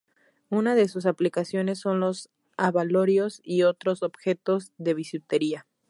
Una de sus aplicaciones son los abalorios y otros objetos de bisutería.